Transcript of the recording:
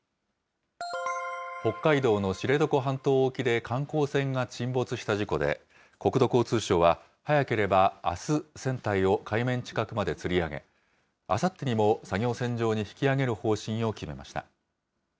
北海道の知床半島沖で観光船が沈没した事故で、国土交通省は、早ければあす、船体を海面近くまでつり上げ、あさってにも作業船上に引き揚げる方針を決めました。